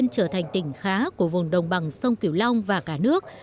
trở thành tỉnh khá của vùng đồng bằng sông kiểu long và cả nước